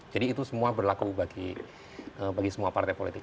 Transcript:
jadi itu semua berlaku bagi semua partai politik